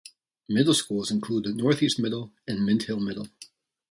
Middle schools include Northeast Middle, and Mint Hill Middle.